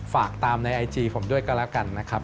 ฝากตามในไอจีผมด้วยก็แล้วกันนะครับ